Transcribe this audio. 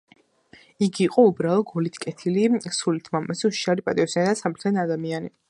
იგი იყო უბრალო, გულით კეთილი, სულით მამაცი, უშიშარი, პატიოსანი და სამართლიანი ადამიანი.